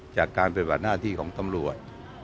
จัดการเป็นหน้าย์ที่ของตำรวจ